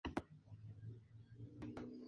J. Taiwan Mus.